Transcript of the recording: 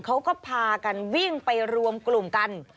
เขาก็พากันวิ่งไปรวมกลุ่มกัน